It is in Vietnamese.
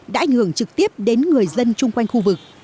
đã ảnh hưởng trực tiếp đến người dân chung quanh khu vực